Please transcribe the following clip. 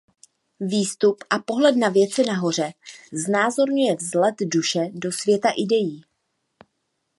Výstup a pohled na věci nahoře znázorňuje vzlet duše do světa idejí.